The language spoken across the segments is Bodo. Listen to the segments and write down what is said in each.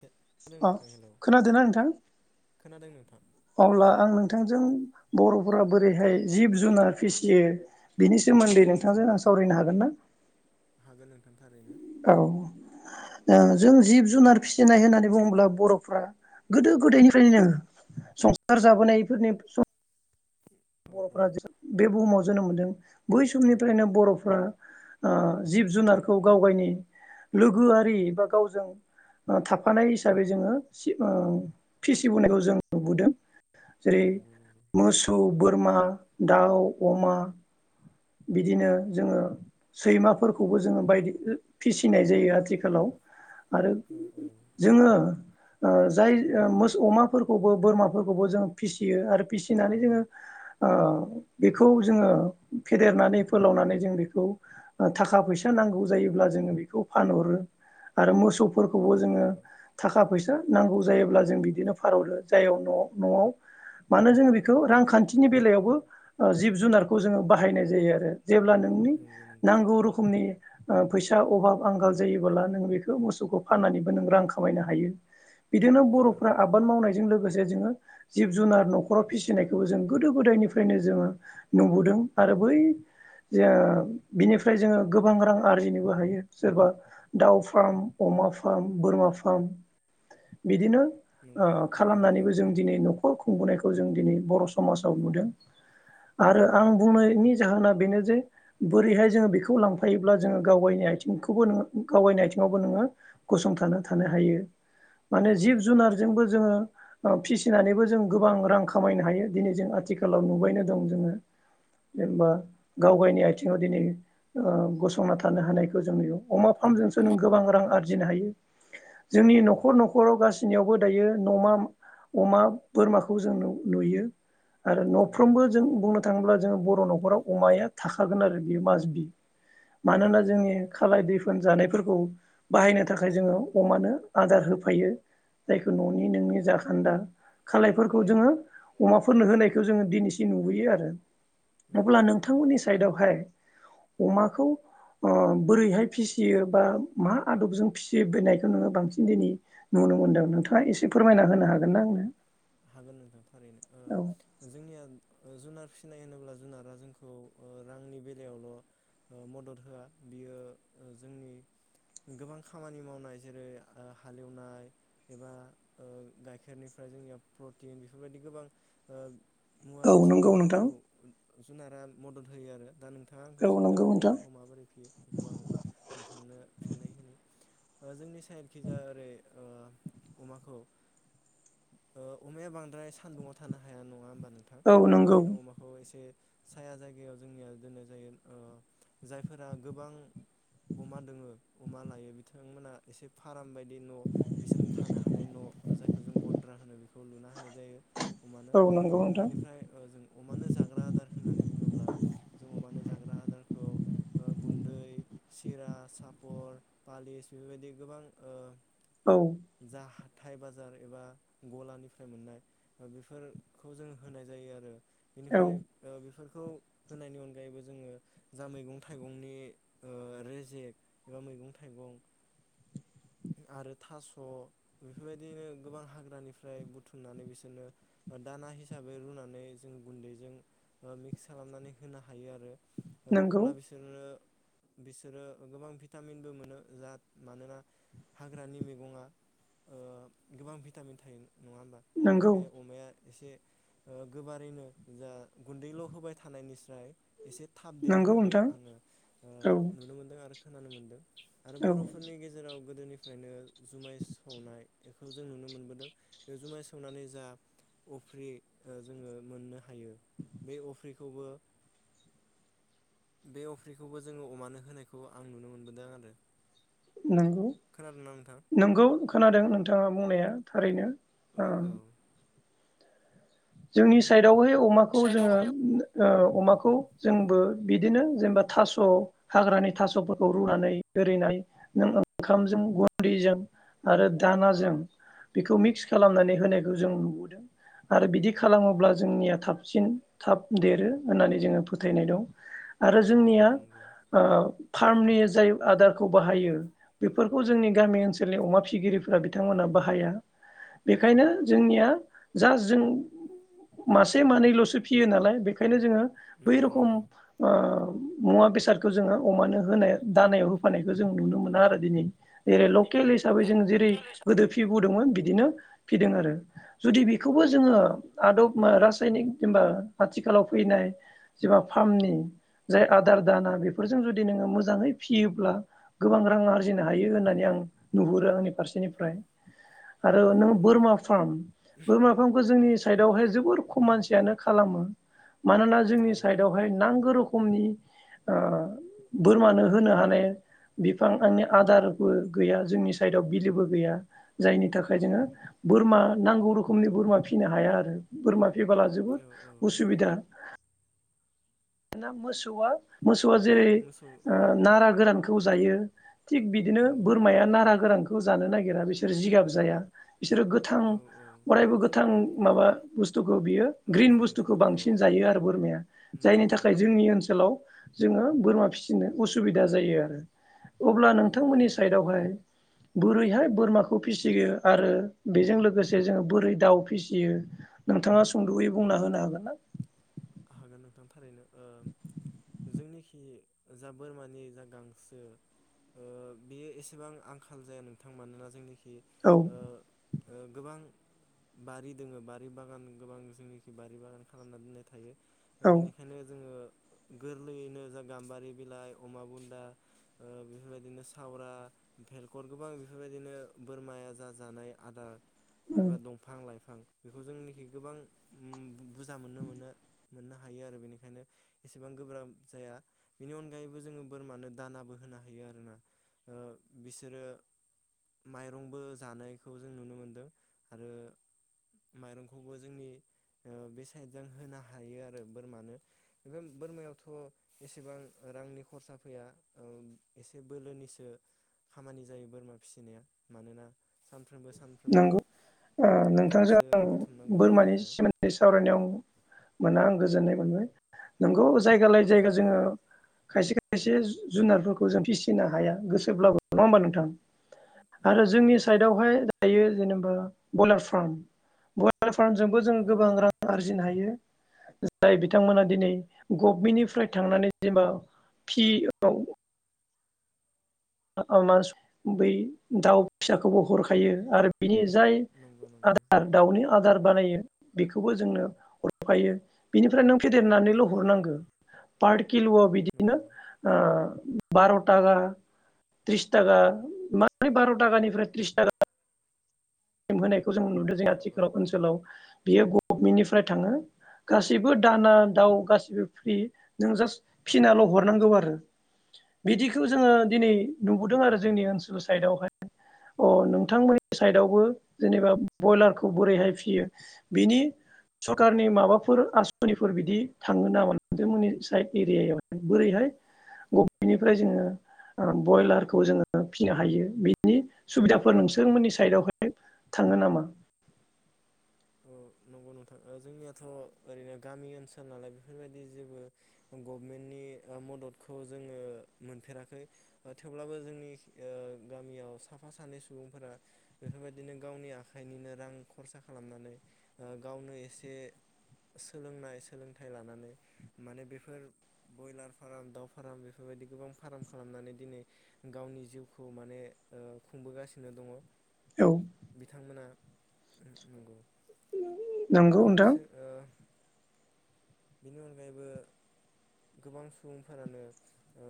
खोनादों अ नोंथां हेलौ खोनादों ना नोंथां खोनादों नोंथां अब्ला आं नोंथांजों बर'फोरा बोरैहाय जिब जुनार फिसियो बिनि सोमोन्दै नोंथांजों आं सावरायनो हागोन ना? हागोन नोंथां थारैनो। औ जों जिब जुनार फिसिनाय होननानै बुङोब्ला बर'फ्रा गोदो गोदायनिफ्रायनो संसार जाबोनायफोरनि औ औ बर'फोरा बे बुहुमाव जोनोम मोनदों बै समनिफ्रायनो बर'फोरा अ जिब जुनारखौ गाव गावनि लोगोआरि बा गावजों थाफानाय हिसाबै जोङो सिब अ फिसिबोनायखौ जों नुबोदों। जेरै नंगौ नंगौ मस्क औ बो बोरमा दाउ अमा बिदिनो जोंङो सैमाफोरखौबो जोंङो बायदि ओ फिसिनाय जायो आथिखालाव। आरो औ औ जोंङो ओ जाय ओ मोस अमाफोरखौबो बोरमाफोरखौबो जों फिसियो आरो फिसिनानै जोंङो ओ बेखौ जोंङो फेदेरनानै फोलावनानै जों बेखौ ओ थाखा फैसा नांगौ जायोब्ला जोंङो बेखौ फानहरो आरो मोसौ फोरखौबो नंगौ जोंङो नंगौ थाखा फैसा नांगौ जायोब्ला जों बिदिनो फारहरो जाय न'आव न'आव मानो जों बेखौ रांखान थिनि बेलायावबो ओ जिब जुनारखौ जोंङो बाहायनाय जायो आरो। जेब्ला नोंनि नंगौ नंगौ नांगौ रोखोमनि ओ फैसा अभाब आंखाल जायोबोब्ला नों बेखौ मोसौखौ फाननानैबो नों रां खामायनो हायो। बिदिनो नंगौ बर'फोरा आबाद मावनायजों लोगो जे जोंङो जिब जुनार न'खराव फिसिनायखौबो जों गोदो गोदायनिफ्रायनो जोंङो नुबोदों आरो बै जे बिनिफ्राय जोंङो गोबां रां आरजिनोबो हायो सोरबा दाउ फार्म अमा फार्म बोरमा फार्म बिदिनो नंगौ ओ नंगौ नोंथां खालामनानैबो जों दिनै न'खरखौ खुंबोनायखौ जों दिनै बर' सु समाजाव नुदों। आरो नंगौ आं बुंनायनि जाहोना बेनो जे बोरैहाय जोंङो बेखौ लांफायोब्ला जोंङो गाबायनि आथिंखौबो नोंङो गावबायनाय आथिङावबो नोंङो गसंथाना थानो हायो। माने नंगौ जिब नंगौ जुनारजोंबो जोंङो ओ फिसिनानैबो जों गोबां रां खामायनो हायो। दिनै जों आथिखालाव नुबायनो दं जोंङो जेनेबा गावबायनि आथिङाव दिनै ओ गसंना थानो हानायखौ जों नुयो। अमा फार्मजोंसो नों गोबां रां आरजिनो हायो। जोंनि नंगौ नंगौ न'खर न'खराव गासिनियावबो दायो न'मा अमा बोरमाखौ जों नु-नुयो। आरो नंगौ न'फ्रोमबो जों नंगौ बुंनो थाङोब्ला जोंङो बर' न'खराव अमाया थाखागोन आरो बेयो माजबि। मानोना नंगौ जोंनि खालाय दैफोन जानायफोर औ बाहायनो थाखाय जोंङो अमानो आदार होफायो जायखौ न'नि नोंनि जाखोन्दा खालायफोरखौ जोंङो अमाफोरनो होनायखौ जोंङो दिनैसिम नुबोयो आरो। अब्ला नंगौ नोंथांमोननि साइदआवहाय अमाखौ ओ बोरैहाय फिसियो बा मा आदबजों फिसिबोनायखौ नोंङो बांसिन दिनै नुनो मोनदों नोंथाङा एसे फोरमायना होनो हागोन ना आंनो? हागोन नोंथां। थारैनो औ ओ जोंनिया जुनार फिसिनाय होनोब्ला जुनारा जोंखौ ओ रांनि बेलायावल' ओ मदद होआ बियो ओ जोंनि गोबां खामानि मावनाय जेरै हालेवनाय एबा ओ गाइखेरनिफ्राय जोंनिया प्रटिन बेफोरबायदि गोबां ओ मुवा औ नंगौ बेसादावनो नोंथां जोंखौ जुनारा मदद होयो आरो दा नों नोंथाङा आंखौ औ सोंदों नंगौ नोंथां अमाखौ माबोरै फियो बेखौ आङो नोंथांनो फिननाय होननि ओ जोंनि ओरैखैजा ओरै ओ अमाखौ ओ अमाया बांद्राय सान्दुङाव थानो हाया नङा होमबा नोंथां औ नंगौ बेनिखायनो अमाखौ एसे साया जायगायाव जोंनिया दोननाय जायो ओ जायफोरा गोबां अमा दङो अमा लायो बिथांमोना एसे फारम बायदि न' बिसोरनो थानो हानाय न' जायखौ जों गन्द्रा होनो बे खौ लुना होनाय जायो अमानो औ नंगौ नोंथां बेनिफ्राय ओ जों अमानो जाग्रा आदार होननानै बुङोब्ला जों अमानो जाग्रा आदारखौ ओ गुन्दै सिरा सापर पालिस बेफोर बायदि गोबां औ ओ जाह थाइ बाजार एबा गलानि निफ्राय मोननाय ओ बेफोरखौ जों होनाय जायो आरो औ बेनिफ्राय ओ बेफोर खौ होनायनि अनगायैबो जोङो जा मैगं थाइगंनि ओ रेजेक एबा मैगं थाइगं आरो थास' बेफोरबायदिनो गोबां हाग्रानिफ्राय बुथ बुथुमनानै बिसोरनो दाना हिसाबै रुनानै जों गुन्दैजों ओ मिक्स खालामनानै होनो हायो आरो ओ नंगौ अब्ला बिसोरनो बिसोरो गोबां भिटामिनबो मोनो जा मानोना हाग्रानि मैगङा ओ गोबां भिटामिन थायो नङा नंगौ बेनिखायनो अमाया एसे ओ गोबारैनो जा गुन्दैल' होबाय थानायनिस्राय एसे थाब देरो नंगौ होननानै नोंथां आङो औ नुनो ओ मोनदों आरो खोनानो मोन्दों आरो औ बर'फोरनि गेजेराव गोदोनिफ्रायनो जुमाय सावनाय बेखौ जों नुनो मोनबोदों बे जुमाय सा सावनानै जा अफ्रि ओ जोङो मोननो हायो बे अफ्रिखौबो बे अफ्रिखौबो जोङो अमानो होनायखौ आं नुनो मोनबोदों आरो। नोंगौ खोनादोंना नोंथां नोंगौ खोनादों नोंथां। थाङा बुंनाया थारैनो। औ। जोंनि साइ दावहाय अमाखौ जोङो ओ अमाखौ जोंबो बिदिनो जेनेबा थास' हाग्रानि थास'फोरखौ रुनानै ओरैनाय नों ओंखामजों गुन्दैजों आरो दानाजों बेखौ मिक्स खालामनानै होनायखौ जों नुबोदों आरो बिदि। खालामोब्ला जोंनिया थाबसिन थाब देरो होननानै जोङो फोथायनाय दं। आरो जोंनिया नंगौ नंगौ ओ। फार्मनि जाय आदारखौ बाहायो बेफोरखौ जोंनि गामि ओनसोलनि अमा फिगिरिफोरा बिथांमोनहा बाहाया बेखायनो जोंनिया जास्ट जों मासे मानैल'सो फियो नालाय बेखायनो जोङो। बै नंगौ रखम नंगौ ओ मुवा बेसादखौ जोङो अमानो होनाय दानायाव होफानायखौ जों नुनो मोना आरो दिनै जेरै लकेल हिसाबै जों जेरै गोदो फि बुंदोंमोन। बिदिनो फिदों आरो जुदि बेखौबो जोङो आदब आ रासायनिक जेनेबा आथिखालाव फैनाय जेनबा फार्मनि जाय आदार दाना बेफोरजों जुदि नोङो मोजाङै फियोब्ला गोबां रां आरजिनो हायो होननानै आं नुहुरो आंनि फारसेनिफ्राय आरो नोङो नंगौ नंगौ बोरमा फार्म बोरमा फार्मखौ जोंनि साइद आवहाय जोबोर खम मानसियानो खालामो। मानोना जोंनि नंगौ साइडआवहाय नांगौ रोखोम रखमनि ओ बोरमानो होनो हानाय बिफां आंनि आदारबो गैया जोंनि साइडआव बिलोबो गैया जायनि थाखाय जोङो बोरमा नांगौ रोखोमनि बोरमा फिसिनो हाया। बोरमा फै फला जोबोद औ औ उसुबिदा। मोसौआ मो जरै मोसौ ओ औ नारा गोरान खौ जायो। थिग बिदिनो नंगौ नंगौ बोरमाया नारा गोरानखौ जानो नागिर रा बिसोर जिगाब जाया। बिसोरो गोथां औ औ अरायबो गोथां। माबा बु थु बियो ग्रिन बुस्थुखौ लाइफांफोरखौ बांसिन औ जायो आरो बोरमाया। जायनि नंगौ थाखाय नंगौ जोंनि ओनसोलाव। जोङो बोरमा फिसिनो उसुबिदा जायो आरो। अब्ला औ औ नोंथांमोननि साइडआवहाय। बोरैहाय बोरमाखौ फिसियो आरो बेजों लोगोसे जोङो बोरै दाउ फिसियो नोंथाङा सुंदयै बुंना होनो हागोन ना? हागोन नोंथां थारैनो। ओ जोंनिखि जा बोरमानि जा गांसो ओ बेयो एसेबां आंखाल जाया नोंथां मानोना जोंनिखि औ ओ ओ गोबां बारि दोंङो बारि बागान गोबां जोंनिखि बारि बागान खालामना दोननाय थायो। औ बेनिखायनो जोङो गोरलैयैनो जा गाम्बारि बिलाइ अमा बुन्दा ओ बेफोरबायदिनो सावरा बेेलखर गोबां बेफोरबायदिनो बोरमाया जा जानाय आदार एबा दंफां लाइफां बिफां बेखौ जोंनिखि गोबां ओ बुरजा मोननो मोनो। मोननो हायो आरो बेनिखायनो एसेबां गोब्राब जाया बेनि अनगायैबो जोङो बोरमानो दानाबो होनो हायो आरोना ओ बिसोरो माइरंबो जानायखौ जों नुनो मोनदों आरो माइरंखौबो जोंनि ओ बे साइड ज होनो हायो आरो बोरमानो बे बोरमायावथ एसेबां रांनि खरसा फैया ओ एसे बोलोनिसो खामानि जायो बोरमा फिसिनाया मानोना सानफ्रोमबो सानफ्रोमबो नंगौ ओ नोंथांजों गांसो आं बुथुमनांगौ जायो बोरमानि आरो सोमोन्दै सावरायनायाव मोना आं गोजोननाय मोनबाय नोंगौ जायगा लायै औ जायगा औ जोङो खायसे एसे जुनारफोरखौ जों फिसिनो हाया गोसोब्लाबो नङा होमबा नोंथां आरो नंगौ जोंनि नंगौ साइडआवहाय जायो जेनेबा बयलार फार्म बल फ्रामजोंबो जोङो औ गोबां औ रां आरजिनो हायो जाय बिथांमोना दिनै गभमेन्टनिफ्राय थांनानै जेनेबा पि औ बै दाउ फिसाखौबो हरखायो आरो बिनि जाय नंगौ नंगौ आदार दाउनि आदार बानायो बेखौबो जोंनो हरखायो बिनिफ्राय नों औ फेदेरनानैल औ हरनांगौ [unintelligible] पार किल आ बिदिनो नंगौ ओ बार तागार त्रिस थाखा बार थाखानिफ्राय त्रिस थाखा होनाय जों नुदों जे औ औ आथिखालाव औ ओनसोलाव बियो गभ गभमेन्टनिफ्राय थाङो गासैबो दाना दाउ गासैबो फ्रि नों जास्ट फिनाल हरनांगौ आरो बिदिखौ नंगौ जोङो नंगौ दिनै नुबोदों आरो जोंनि ओनसोल साइडआवहाय अ नोंथांमोननि साइडआवबो जेनेबा बयलारखौ बोरैहाय फियो बिनि सरखारनि माबाफोर आसनिफोर बिदि थाङो नामा नोंथांमोननि साइद एरियायाव बोरैहाय गभेनिफ्राय जोङो ब्रयलारखौ जोङो फिनो हायो बिनि सुबिदाफोर नोंसोरमोननि साइदआवहाय थाङो नामा? ओ नंगौ नोंथां ओ जोंनियाथ ओरैनो गामि ओनसोल नालाय बेफोरबायदि जेबो गभमेन्टनि ओ मददखौ जोङो मोनफेराखै ओ थेवब्लाबो जोंनि ओ गामियाव साफा सानै सुबुंफोरा बेफोरबायदिनो गावनि आखाइनिनो रां खरसा खालामनानै गावनो एसे सोलोंनाय सोलोंथाइ लानानै माने बेफोर बयलार फार्म दाव फार्म बेफोरबायदि गोबां फार्म खालामनानै दिनै गावनि जिउखौ माने ओ खुंबोगासिनो दङ औ बिथांमोना [inaudible] नंगौ नोंथां [unintelligible] बेनि अनगायैबो गोबां सुबुंफोरानो ओ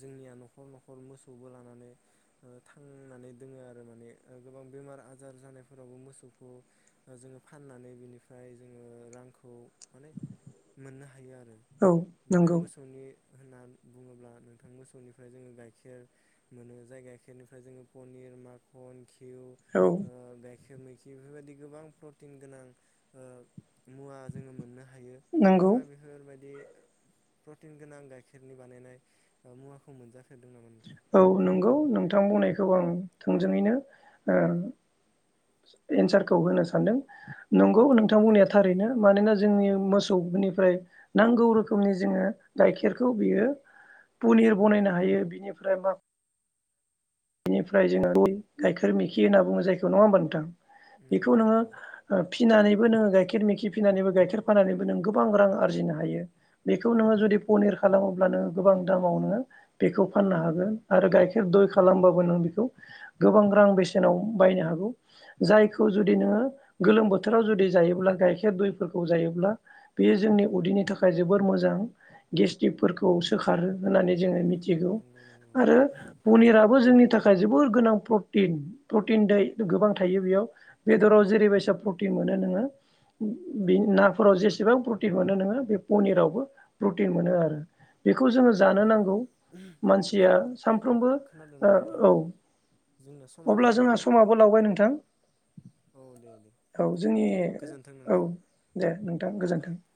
जोंनिया न'खर न'खर मोसौबो लानानै ओ थांनानै दोङो आरो माने गोबां बेमार आजार जानायफोरावबो मोसौखौ जोङो फाननानै बिनिफ्राय जोङो रांखौ माने मोननो हायो आरो। औ बेओमफ्राय नंगौ मोसौनि होनना बुङोब्ला नोंथां मोसौनिफ्राय जोङो गाइखेर मोनो जाय गाइखेरनिफ्राय जोङो पनिर माखन घिउ औ ओ गाइ खिर मैखिफोरबायदि गोबां प्रटि प्रटिन गोनां ओ मुवा ओ जोङो मोननो हायो नंगौ नोंथाङा बेफोरबायदि प्रटिन गोनां गाइखेरनि बानायनाय मुवाखौ मोनजाफे औ नंगौ नोंथां बुंनायखौ औव औव थोंजोङैनो एन्सारखौ होनो सानदों नंगौ नोंथां औ बुंनाया औ थारैनो मानोना जोंनि मोसौफोरनिफ्राय नांगौ रोखोमनि जोङो गाइखेर खौ बियो पनिर बनायनो हायो बिनिफ्राय ओमफ्राय मा बेनिफ्राय जोङो गाइखेर मिखि होनना बुङो जायखौ नङा होमबा नोंथां नंगौ बेखौ नोङो नंगौ फिनानैबो नोङो गायखिर मैखि फिनानैबो गाइखेर फाननानैबो नों गोबां रां आरजिनो हायो बेखौव नोङो जुदि पनिर खालामोब्ला नोङो गोबां दामावनो बेखौ फाननो हागोन आरो गाइखेर दय खा खालामबाबो नों बेखौ गोबां रां बेसेनाव बायनो हागौ जायखौ जुदि नोङो गोलोम बोथोराव जुदि जायोब्ला गाइखेर दयफोरखौ जायोब्ला बेयो जोंनि उदैनि थाखाय जोबोर मोजां गेस्ट्रिकफोरखौ सोखारो होननानै जोङो मिथि मिथिगौ नंगौ नंगौ आरो पनिरआबो बेफोर जोंनि थाखाय जोबोत गोनां प्रटिन प्रटिन दे गोबां थायो बेवहाय बेदरआव जेरैबायसा प्रटिन मोनो नोंओ नाफोराव जेसेबां प्रटिन मोनो नों बे पनिरावबो प्रटिन मोनो आरो बेखौ जोङो जानो औ नांगौ मानसिया सानफ्रामबो खोनादोंना नोंथां? ओ औ जोंना समाबो अब्ला जोंहा जाबायमोन समाबो लावबाय नोंथां औ दे दे औ जोंनि गोजोन्थों औ नोंथां। दे नोंथां गोजोन्थों [unintelligible]